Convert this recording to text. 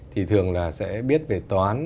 thì thường là sẽ biết về toán